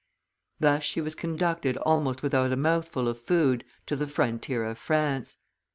Thus she was conducted almost without a mouthful of food to the frontier of France.